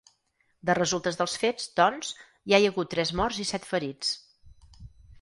De resultes dels fets, doncs, ja hi ha hagut tres morts i set ferits.